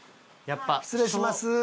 失礼します。